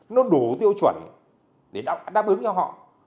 nó đủ tiêu chuẩn để đáp ứng cho họ